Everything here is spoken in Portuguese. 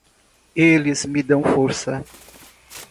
Eles me dão força.